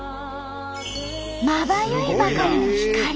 まばゆいばかりの光。